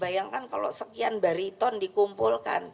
bayangkan kalau sekian bariton dikumpulkan